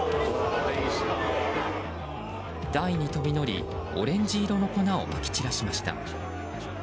台に飛び乗り、オレンジ色の粉をまき散らしました。